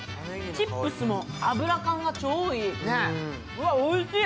チップスも油感がちょうどいい。